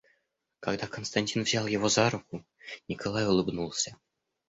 Когда Константин взял его за руку, Николай улыбнулся.